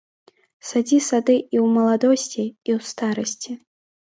Садзі сады і ў маладосці, і ў старасці!